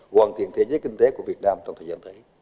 hoàn thiện thế giới kinh tế của việt nam trong thời gian tới